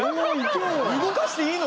動かしていいの？